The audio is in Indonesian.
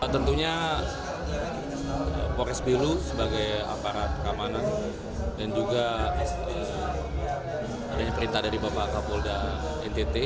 tentunya kapolres belu sebagai aparat keamanan dan juga perintah dari bapak kapolda ntt